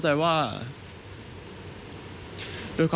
สวัสดีครับ